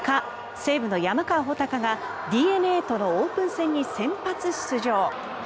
西武の山川穂高がＤｅＮＡとのオープン戦に先発出場。